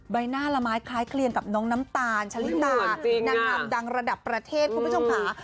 ใบหน้าละไม้คล้ายเคลียงกับน้องน้ำตาลชะลิตานางงามดังระดับประเทศคุณผู้ชมค่ะ